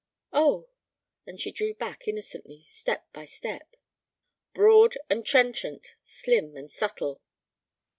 "Oh!" And she drew back innocently, step by step. "Broad and trenchant; slim and subtle."